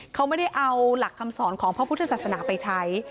เขาไม่ได้เอาหลักคำสอนของพระพุทธศาสนาไปใช้